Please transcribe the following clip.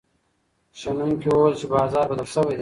شنونکي وویل چې بازار بدل شوی دی.